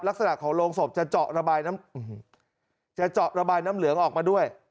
ลักษณะของโรงศพจะเจาะระบายน้ำจะเจาะระบายน้ำเหลืองออกมาด้วย